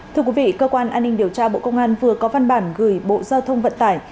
thưa quý vị cơ quan an ninh điều tra bộ công an vừa có văn bản gửi bộ giao thông vận tải